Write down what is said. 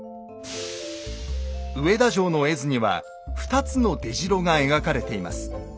上田城の絵図には２つの出城が描かれています。